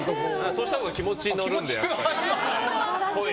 そうしたほうが気持ちが乗るので。